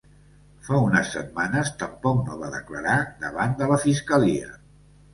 Fa unes setmanes tampoc no va declarar davant de la fiscalia.